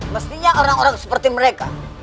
mestinya orang orang seperti mereka